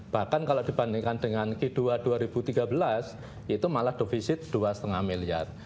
bahkan kalau dibandingkan dengan k dua dua ribu tiga belas itu malah defisit dua lima miliar